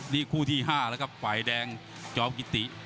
นี่คู่ที่๕แล้วครับฝ่ายแดงจอมกิติ